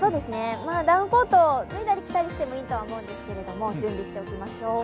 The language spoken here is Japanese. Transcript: ダウンコート、脱いだり着たりしてもいいと思うんですけど準備しておきましょう。